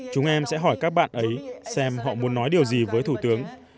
chúng em sẽ hỏi các bạn ấy xem họ muốn nói điều gì với thủ tướng